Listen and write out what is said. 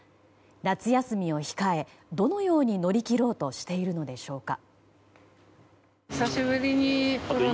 夏休みを控えどのように乗り切ろうとしているのでしょうか？